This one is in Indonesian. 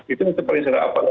itu paling salah apa